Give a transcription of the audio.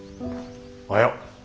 おはよう。